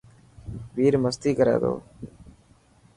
وير مستي ڪر ٿو.